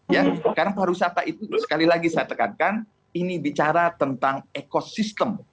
ya karena pariwisata itu sekali lagi saya tekankan ini bicara tentang ekosistem